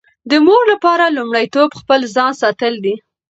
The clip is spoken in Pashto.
د مور لپاره لومړیتوب خپل ځان ساتل دي.